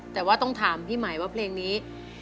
แต่ว่าต้องถามพี่หมายว่าเพลงนี้